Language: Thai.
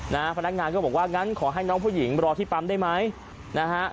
พนักงานก็บอกว่างั้นขอให้น้องผู้หญิงรอที่ปั๊มได้ไหมนะฮะ